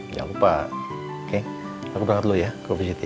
jangan lupa oke aku banget dulu ya gue visit ya